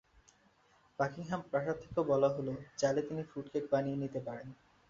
Buckingham প্রাসাদ থেকেও বলা হলো, চাইলে তিনি ফ্রুট কেক বানিয়ে নিতে পারেন।